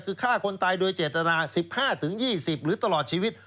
คือฆ่าคนตายโดยเจตนาสิบห้าถึงยี่สิบหรือตลอดชีวิต